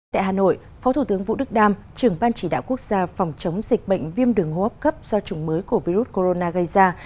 tại hà nội phó thủ tướng vũ đức đam trưởng ban chỉ đạo quốc gia phòng chống dịch bệnh viêm đường hô hấp cấp do chủng mới của virus corona gây ra